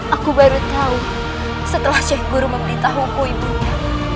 aku baru tahu setelah sheikh guru memberitahuku ibu nanda